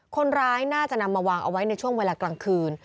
คนร้ายน่าจะนำมาวางเอาไว้ในช่วงเวลากลางคืน